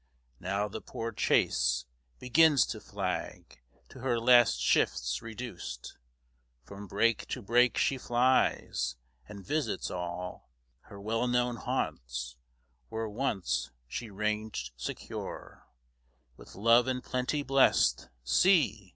Now the poor chase Begins to flag, to her last shifts reduced. From brake to brake she flies, and visits all Her well known haunts, where once she ranged secure, With love and plenty blest. See!